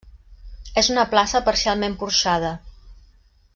És una plaça parcialment porxada.